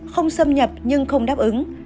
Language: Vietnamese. không xâm nhập nhưng không đáp ứng